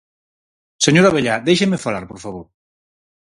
Señor Abellá, déixeme falar, por favor.